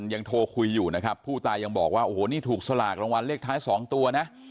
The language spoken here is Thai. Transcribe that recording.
อย่างโทรคุยอยู่นะครับผู้ตายอย่างบอกว่าโอ้โหถูกสลากรางวัลเลือดท้ายสองตัวนะ